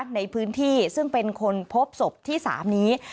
ในพื้นที่ซึ่งเป็นคนพบศพที่๓นี้